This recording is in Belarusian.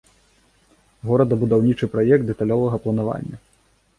Горадабудаўнічы праект дэталёвага планавання.